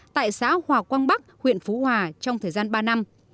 tại xã hòa quang bắc huyện phú hòa trong thời gian ba năm